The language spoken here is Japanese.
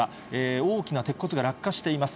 大きな鉄骨が落下しています。